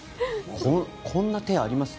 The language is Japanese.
こんな手、あります？